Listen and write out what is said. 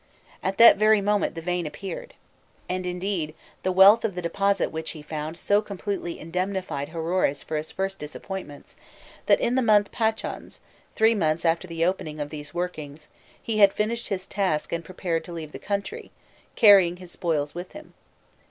At that very moment the vein appeared." And, indeed, the wealth of the deposit which he found so completely indemnified Haroëris for his first disappointments, that in the month Pachons, three months after the opening of these workings, he had finished his task and prepared to leave the country, carrying his spoils with him.